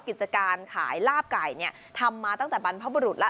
กิจการขายลาบไก่เนี่ยทำมาตั้งแต่บรรพบุรุษแล้ว